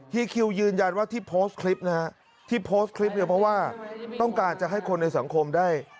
คิวยืนยันว่าที่โพสต์คลิปนะฮะที่โพสต์คลิปเนี่ยเพราะว่าต้องการจะให้คนในสังคมได้